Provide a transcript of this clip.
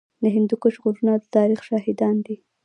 د هندوکش غرونه د تاریخ شاهدان دي